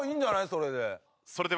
それで。